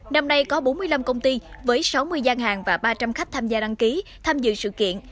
năm nay có bốn mươi năm công ty với sáu mươi gian hàng và ba trăm linh khách tham gia đăng ký tham dự sự kiện